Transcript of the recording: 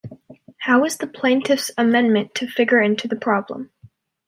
How is the plaintiff's amendment to figure into the problem?